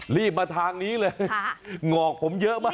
รีบมาทางนี้เลยหงอกผมเยอะมาก